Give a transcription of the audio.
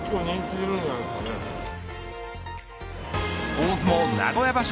大相撲名古屋場所